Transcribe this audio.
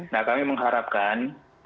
nah kami mengharapkan